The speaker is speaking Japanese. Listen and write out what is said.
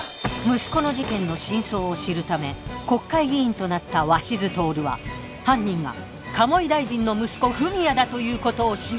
息子の事件の真相を知るため国会議員となった鷲津亨は犯人が鴨井大臣の息子文哉だということを知る。